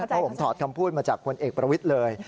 เพราะผมถอดคำพูดมาจากพลเอกประวิทย์เลย